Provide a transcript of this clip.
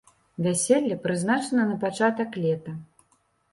Вяселле прызначана на пачатак лета.